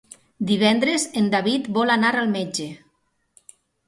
Divendres en David vol anar al metge.